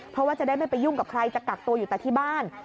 เพราะว่าจะได้ไม่ไปยุ่งกับใครจะกักตัวอยู่แต่ที่บ้าน